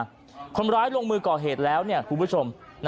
คุณผู้ชมได้ถึงทหารลงมือก่อเหตุแล้วเนี่ยคุณผู้ชม